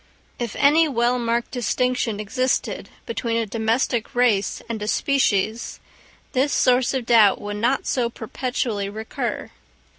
If any well marked distinction existed between a domestic race and a species, this source of doubt would not so perpetually recur.